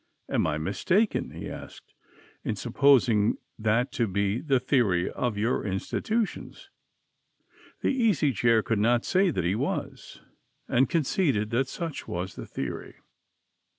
"Am I mistaken," he asked, "in supposing that to be the theory of your institutions?" The Easy Chair could not say that he was, and conceded that such was the theory.